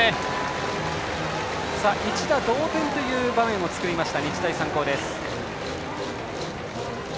一打同点という場面を作りました、日大三高。